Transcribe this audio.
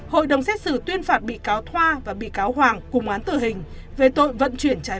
hội đồng xét xử tuyên phạt bị cáo thoa và bị cáo hoàng cùng án tử hình về tội vận chuyển trái phép